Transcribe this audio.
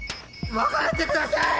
別れてください！